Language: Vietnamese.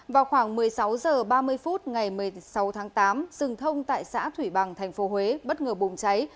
vào khoảng một mươi sáu h ba mươi phút ngày một mươi sáu tháng tám rừng thông tại xã thủy bằng tp huế bất ngờ bùng cháy